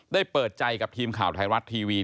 เปิดใจกับทีมข่าวไทยรัฐทีวี